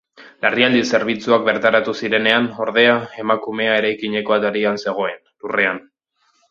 Larrialdi zerbitzuak bertaratu zirenean, ordea, emakumea eraikineko atarian zegoen, lurrean.